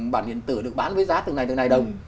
bản điện tử được bán với giá từ ngày từ này đồng